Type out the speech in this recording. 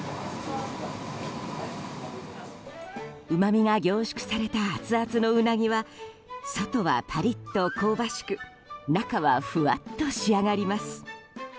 うまみが凝縮されたアツアツのウナギは外はパリッと香ばしく中はフワッと仕上がります。